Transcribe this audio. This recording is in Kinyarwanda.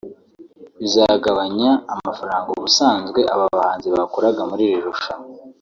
bizagabanya amafaranga ubusanzwe aba bahanzi bakuraga muri iri rushanwa